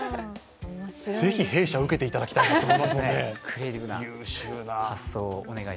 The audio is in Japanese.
ぜひ弊社を受けていただきたいなと思いますね、優秀な。